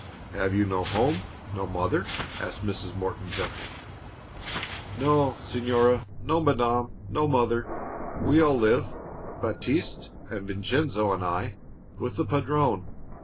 "Have you no home, no mother?" asked Mrs. Morton, gently. "No, signora, no, madame, no mother. We all live, Baptiste and Vincenzo and I, with the Padrone.